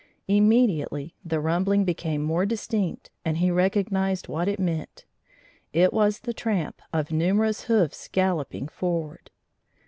Immediately the rumbling became more distinct and he recognized what it meant: it was the tramp of numerous hoofs galloping forward.